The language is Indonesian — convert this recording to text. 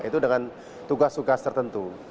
itu dengan tugas tugas tertentu